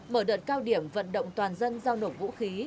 mở đợt cao điểm vận động toàn dân giao nộp vũ khí